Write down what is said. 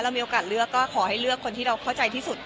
มีโอกาสเลือกก็ขอให้เลือกคนที่เราเข้าใจที่สุด